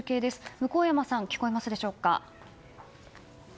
向山さん聞こえますでしょうか。